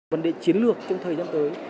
vấn đề chiến lược trong thời gian tới